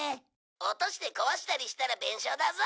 「落として壊したりしたら弁償だぞ！」